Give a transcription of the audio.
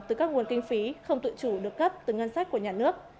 từ các nguồn kinh phí không tự chủ được cấp từ ngân sách của nhà nước